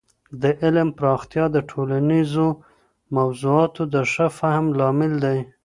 د علم پراختیا د ټولنیزو موضوعاتو د ښه فهم لامل دی.